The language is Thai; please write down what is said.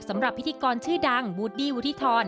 สำหรับพิธีกรชื่อดังบูดดี้วุฒิธร